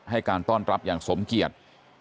ให้การต้อนรับอย่างสมเกียจ